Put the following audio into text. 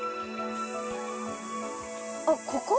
あっここ？